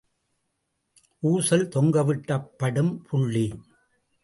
ஊசல் தொங்கவிடப்படும் புள்ளி.